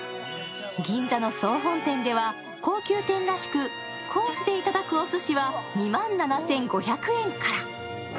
銀座の総本店では高級店らしく、コースで頂くおすしは２万７５００円から。